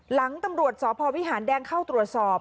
หลังตำรวจสพวิหารแดงเข้าตรวจสอบ